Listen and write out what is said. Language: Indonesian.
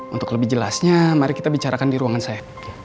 untuk lebih jelasnya mari kita bicarakan di ruangan saya